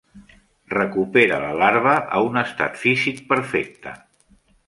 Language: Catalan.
Recupera la larva a un estat físic perfecte.